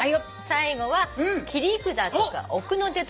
最後は「切り札」とか「奥の手」とか「道化師」